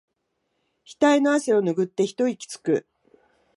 ひたいの汗をぬぐって一息つく